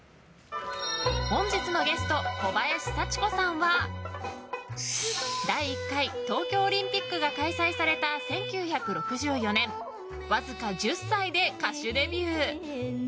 本日のゲスト、小林幸子さんは第１回東京オリンピックが開催された１９６４年わずか１０歳で歌手デビュー。